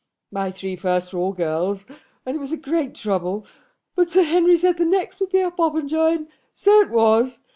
My three first were all girls; and it was a great trouble; but Sir Henry said the next would be a Popenjoy; and so it was.